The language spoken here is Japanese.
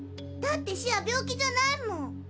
だってシア病気じゃないもん。